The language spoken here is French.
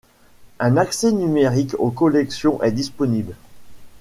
Un accès numérique aux collections est disponible.